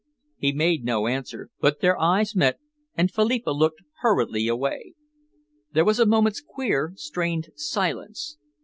He made no answer, but their eyes met and Philippa looked hurriedly away. There was a moment's queer, strained silence.